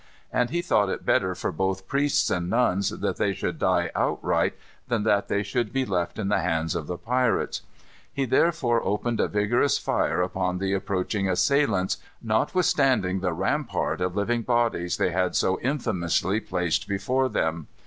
And he thought it better for both priests and nuns that they should die outright than that they should be left in the hands of the pirates. He therefore opened a vigorous fire upon the approaching assailants, notwithstanding the rampart of living bodies they had so infamously placed before them.